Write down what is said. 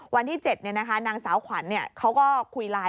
วันที่๗นางสาวขวัญเขาก็คุยไลน์